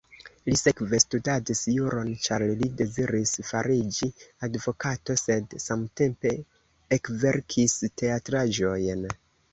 Li sekve studadis juron, ĉar li deziris fariĝi advokato, sed samtempe ekverkis teatraĵojn.